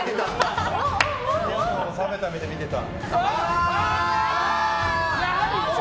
冷めた目で見てた。